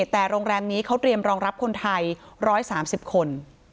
แต่โรงแรมนี้เขาเตรียมรองรับคนไทย๑๓๐คน